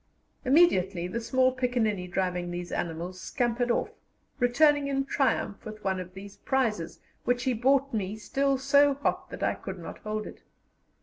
Immediately the small piccaninny driving these animals scampered off, returning in triumph with one of these prizes, which he brought me still so hot that I could not hold it.